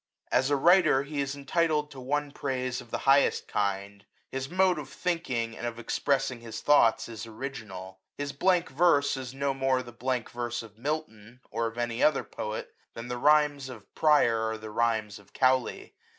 As a writer, he is entitled to one praise of the highest kind : his mode of thinking, and of expressing his thoughts, is original. His blank verse is no more the blank verse of Milton, or (Jf any other poet, than the rhymes of Prior are the rhymes of Cowley.